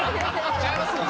違いますよね？